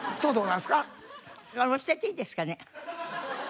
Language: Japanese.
捨てていいですかね？